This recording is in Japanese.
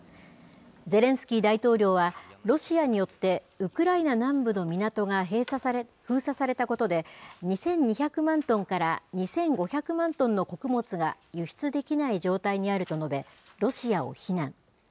ゼレンスキー大統領は、ロシアによってウクライナ南部の港が封鎖されたことで、２２００万トンから２５００万トンの穀物が輸出できない状態にあると述べ、ロシアを非難。